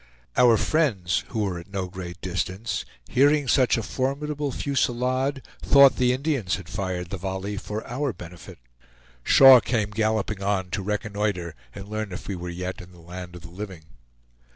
Our friends, who were at no great distance, hearing such a formidable fusillade, thought the Indians had fired the volley for our benefit. Shaw came galloping on to reconnoiter and learn if we were yet in the land of the living.